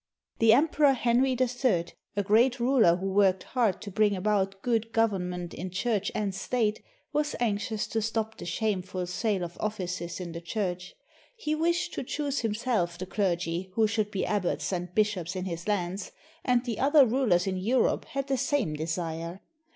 The Emperor Henry III, a great ruler who worked hard to bring about good government in Church and State, was anxious to stop the shameful sale of offices in the Church. He wished to choose himself the clergy who should be abbots and bishops in his lands, and the other rulers in Europe had the same desire.